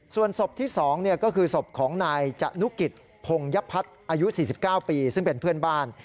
ส่วนศพที่๒ก็คือศพของนายจนุกิจพงยพัฒน์อายุ๔๙ปีซึ่งเป็นเพื่อนบ้าน